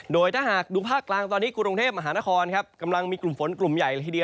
โดยถ้าหากดูภาคกลางตอนนี้กรุงเทพมหานครครับกำลังมีกลุ่มฝนกลุ่มใหญ่เลยทีเดียว